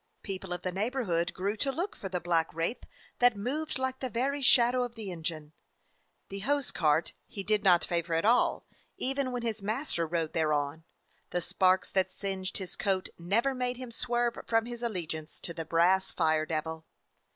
People of the neighborhood grew to look for the black wraith that moved like the very shadow of the engine. The hose cart he did 258 A FIRE DOG OF NEW YORK not favor at all, even when his master rode thereon. The sparks that singed his coat never made him swerve from his allegiance to the brass fire devil.